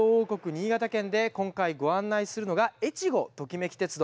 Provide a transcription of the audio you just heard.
新潟県で今回ご案内するのがえちごトキめき鉄道。